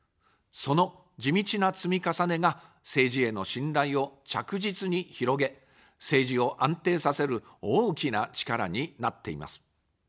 その地道な積み重ねが政治への信頼を着実に広げ、政治を安定させる大きな力になっています。